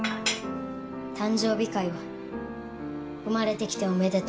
誕生日会は「生まれてきておめでとう」